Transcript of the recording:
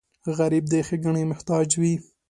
غریب د ښېګڼې محتاج وي